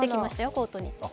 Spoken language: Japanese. コートに。